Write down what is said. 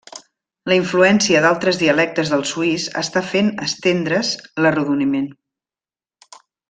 La influència d'altres dialectes del suís està fent estendre's l'arrodoniment.